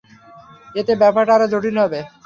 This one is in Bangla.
এতে ব্যাপারটা আরও জটিল হবে।